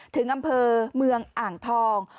ถึงอำเภอเมืองอ่างทอง